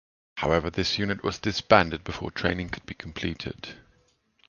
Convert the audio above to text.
However, this unit was disbanded before training could be completed.